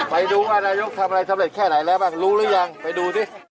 ไปดูว่านายกทำอะไรสำเร็จแค่ไหนแล้วบ้างรู้หรือยังไปดูสิ